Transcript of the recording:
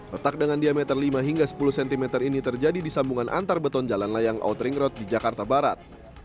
retak dengan diameter lima hingga sepuluh cm ini terjadi di sambungan antar beton jalan layang outering road di jakarta barat